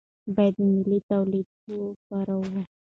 باید ملي تولیدات وپېرو.